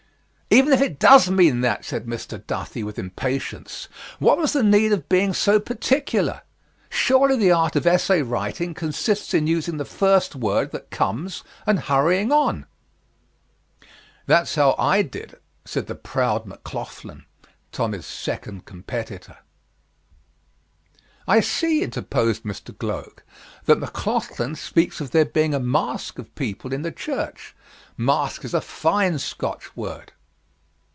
"Even if it does mean that," said Mr. Duthie, with impatience, "what was the need of being so particular? Surely the art of essay writing consists in using the first word that comes and hurrying on." "That's how I did," said the proud McLauchlan [Tommy's successful competitor].... "I see," interposed Mr. Gloag, "that McLauchlan speaks of there being a mask of people in the church. Mask is a fine Scotch word."